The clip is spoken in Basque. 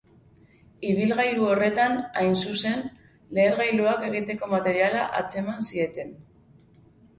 Ibilgailu horretan, hain zuzen, lehergailuak egiteko materiala atzeman zieten.